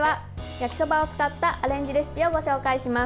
焼きそばを使ったアレンジレシピをご紹介します。